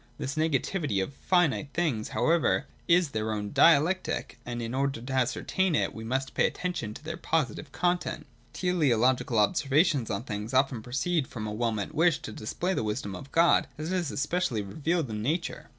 This negativity of finite things however is their own dialectic, and in order to ascertain it we must pay attention to their positive content. Teleological observations on things often proceed from a well meant wish to display the wisdom of God as it is especially revealed in nature.